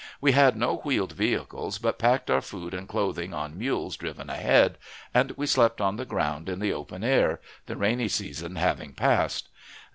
We had no wheeled vehicles, but packed our food and clothing on mules driven ahead, and we slept on the ground in the open air, the rainy season having passed.